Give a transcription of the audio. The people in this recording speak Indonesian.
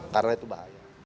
karena itu bahaya